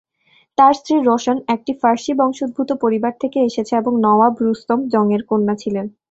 তার স্ত্রী রোশন একটি ফার্সি বংশোদ্ভূত পরিবার থেকে এসেছে এবং নওয়াব রুস্তম জং এর কন্যা ছিলেন।